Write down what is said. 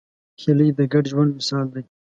هیلۍ د ګډ ژوند مثال ده